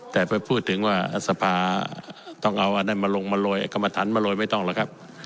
แต่ไปพูดถึงว่าสภาต้องเอาอันนั้นมาลงมาโรยกรรมฐานมาโรยไม่ต้องหรอกครับ